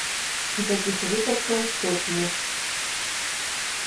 І такіх выпадкаў сотні.